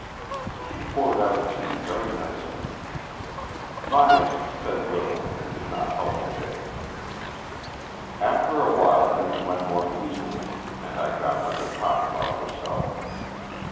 She poured out tea very nicely. Myas said little, and did not help a bit. After a while things went more easily, and I got her to talk about herself.